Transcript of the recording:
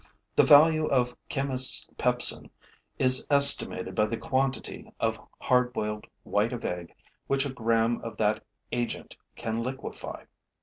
The value of chemist's pepsin is estimated by the quantity of hard boiled white of egg which a gram of that agent can liquefy.